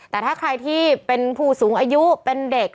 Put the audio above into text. แต่ถ้าใครที่เป็นผู้สูงอายุเป็นเด็ก